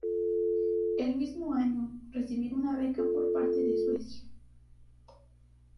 El mismo año, recibir una beca por parte de Suecia.